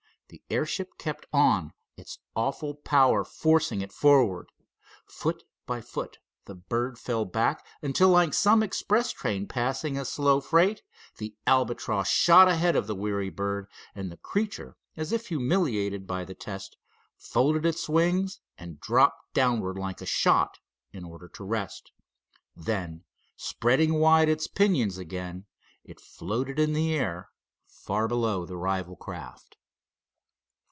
The airship kept on, its awful power forcing it forward. Foot by foot the bird fell back until like some express train passing a slow freight, the Albatross shot ahead of the weary bird, and the creature, as if humiliated by the test, folded its wings and dropped downward like a shot, in order to rest. Then spreading wide its pinions again, it floated in the air, far below the rival craft.